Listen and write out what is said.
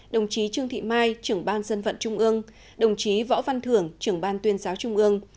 đồng chí trương thị mai trưởng ban dân vận trung ương đồng chí võ văn thưởng trưởng ban tuyên giáo trung ương